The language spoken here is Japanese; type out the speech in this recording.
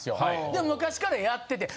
で昔からやってて。